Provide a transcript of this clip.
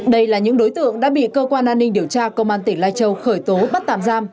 đây là những đối tượng đã bị cơ quan an ninh điều tra công an tỉnh lai châu khởi tố bắt tạm giam